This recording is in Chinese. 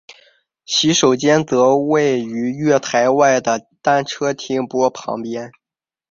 洗手间则位于月台外的单车停泊处旁边。